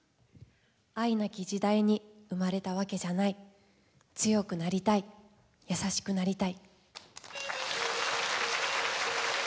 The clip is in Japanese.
「愛なき時代に生まれたわけじゃない強くなりたいやさしくなりたい」。